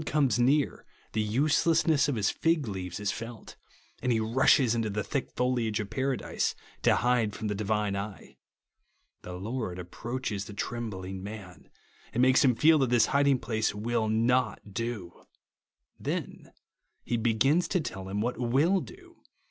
79 comes near, tlie uselessness of his fig leaves is felt, and he rushes into the thick foliage of Paradise to hide from the Divine eye. The Lord approaches the trembling man, and makes him feel that this hiding place will not do. Then he begins to tell him what will do.